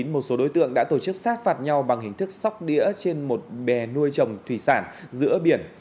một số đối tượng đã tổ chức sát phạt nhau bằng hình thức sóc đĩa trên một bè nuôi trồng thủy sản giữa biển